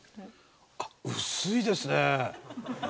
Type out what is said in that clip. あっ薄いですね！